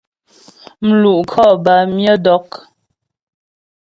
Mlu' khɔ bâ myə dɔk.